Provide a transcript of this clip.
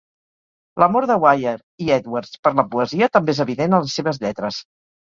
L'amor de Wire i Edwards per la poesia també és evident a les seves lletres.